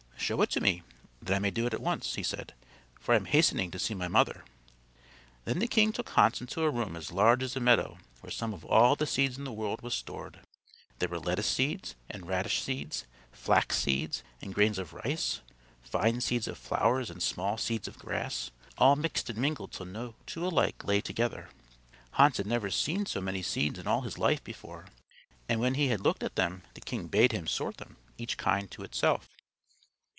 "Show it to me that I may do it at once," he said; "for I am hastening to see my mother." Then the king took Hans into a room as large as a meadow where some of all the seeds in the world was stored. There were lettuce seeds, and radish seeds, flax seeds and grains of rice, fine seeds of flowers and small seeds of grass, all mixed and mingled till no two alike lay together. Hans had never seen so many seeds in all his life before; and when he had looked at them the king bade him sort them, each kind to itself.